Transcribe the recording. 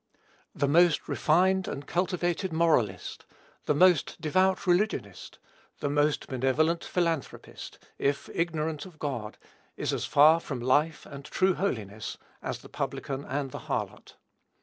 The most refined and cultivated moralist, the most devout religionist, the most benevolent philanthropist, if ignorant of God, is as far from life and true holiness, as the publican and the harlot.